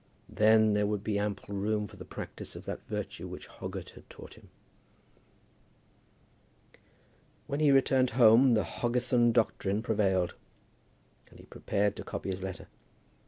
Then there would be ample room for the practice of that virtue which Hoggett had taught him. When he returned home the Hoggethan doctrine prevailed, and he prepared to copy his letter.